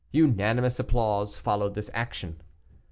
Unanimous applause followed this action.